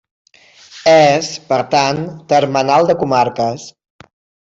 És, per tant, termenal de comarques.